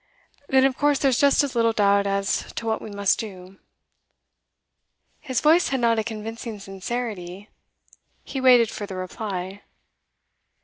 'Then of course there's just as little doubt as to what we must do.' His voice had not a convincing sincerity; he waited for the reply.